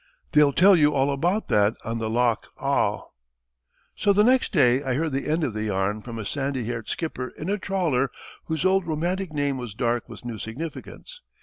They'll tell you all about that on the 'Loch Awe.'" So the next day I heard the end of the yarn from a sandy haired skipper in a trawler whose old romantic name was dark with new significance.